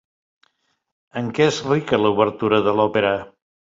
En què és rica l'obertura de l'òpera?